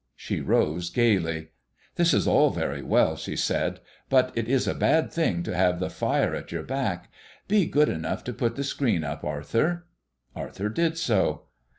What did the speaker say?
She rose gaily. "This is all very well," she said, "but it is a bad thing to have the fire at your back. Be good enough to put the screen up, Arthur." Arthur did so.